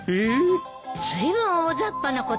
ずいぶん大ざっぱな答えね。